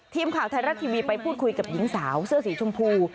ทีมข่าวไทยรัฐทีวีไปพูดคุยกับหญิงสาวเสื้อสีชมพู